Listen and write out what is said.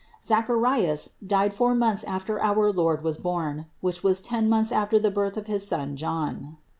Zacharias died four months after our Lord was born, which was ten months after the birth of his son John.